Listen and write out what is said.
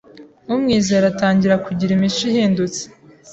umwizera atangira kugira imico ihindutse